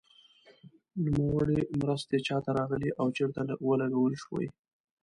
نوموړې مرستې چا ته راغلې او چیرته ولګول شوې.